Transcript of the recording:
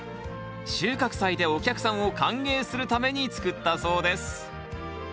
収穫祭でお客さんを歓迎するために作ったそうです